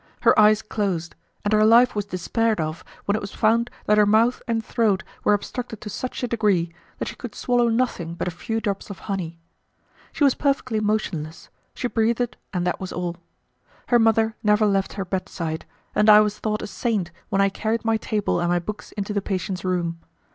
Her eyes closed, and her life was despaired of, when it was found that her mouth and throat were obstructed to such a degree that she could swallow nothing but a few drops of honey. She was perfectly motionless; she breathed and that was all. Her mother never left her bedside, and I was thought a saint when I carried my table and my books into the patient's room.